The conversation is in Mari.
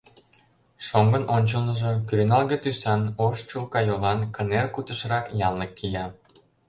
Шоҥгын ончылныжо кӱреналге тӱсан, ош чулка йолан кынер кутышрак янлык кия.